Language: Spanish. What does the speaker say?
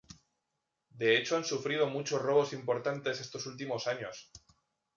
De hecho han sufrido muchos robos importantes estos últimos años".